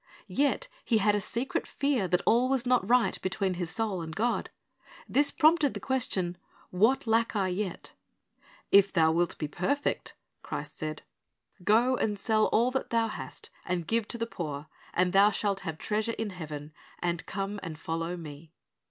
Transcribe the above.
Yet he had a secret fear that all was not right between his soul and God. This prompted the question, "What lack I yet?" "If thou wilt be perfect," Christ said, "go and sell that 392 C h r i s t's O bj c c the s s o ii s thou hast, and give to the poor, and thou shalt have treasure in heaven, and come and follow Me.